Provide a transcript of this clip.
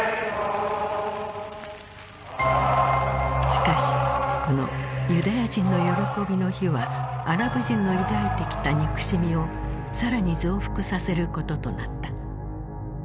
しかしこのユダヤ人の喜びの日はアラブ人の抱いてきた憎しみを更に増幅させることとなった。